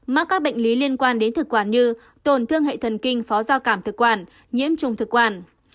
mắc các bệnh lý liên quan đến thực quản như tổn thương hệ thần kinh phó giao cảm thực quản nhiễm trùng thực quản